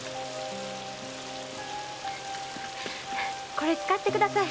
これ使ってください。